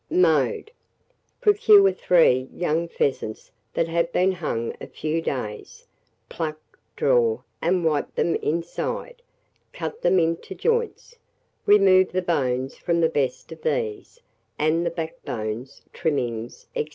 Mode. Procure 3 young pheasants that have been hung a few days; pluck, draw, and wipe them inside; cut them into joints; remove the bones from the best of these; and the backbones, trimmings, &c.